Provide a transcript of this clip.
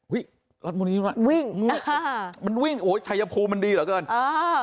อุ้ยรัฐบาลนี้มันวิ่งอ่ามันวิ่งโอ้ยไทยภูมิมันดีเหรอเกินอ่า